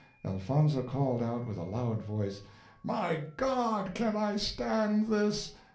Elfonzo called out with a loud voice, "My God, can I stand this!